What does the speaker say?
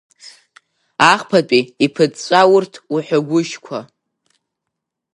Ахԥатәи иԥыҵәҵәа урҭ уҳәагәыжьқәа!